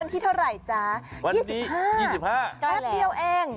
วันที่เท่าไหร่จ้า๒๕แป๊บเดียวเอง